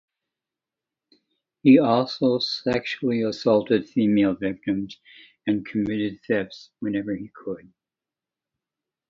He also sexually assaulted female victims and committed thefts whenever he could.